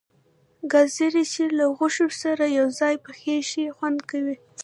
گازرې چې له غوښې سره یو ځای پخې شي خوند کوي.